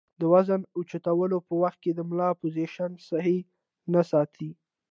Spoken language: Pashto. د وزن اوچتولو پۀ وخت د ملا پوزيشن سهي نۀ ساتي